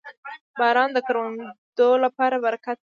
• باران د کروندو لپاره برکت دی.